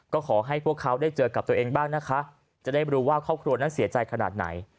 ก็ขอให้พวกเขาได้เจอกับตัวเองบ้างนะคะจะได้รู้ว่าครอบครัวนั้นเสียใจขนาดไหน